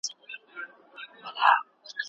زعفران د چای خوند او بوی ډېر ښه کوي.